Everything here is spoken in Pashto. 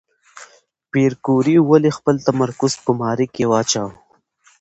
پېیر کوري ولې خپل تمرکز په ماري کې واچاوه؟